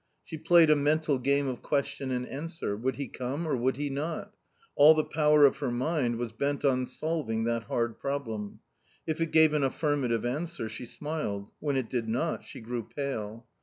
She played a mental game of question and answer ; would he come or would he not, all the power of her mind was bent on solving that hard problem. If it gave an affirmative answer, she smiled, when it did not, she grew pale.